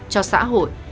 cho xã hội